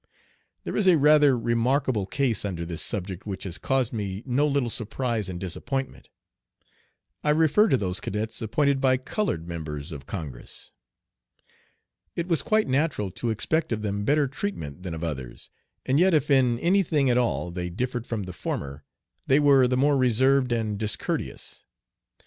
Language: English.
There is a rather remarkable case under this subject which has caused me no little surprise and disappointment. I refer to those cadets appointed by colored members of Congress. It was quite natural to expect of them better treatment than of others, and yet if in any thing at all they differed from the former, they were the more reserved and discourteous.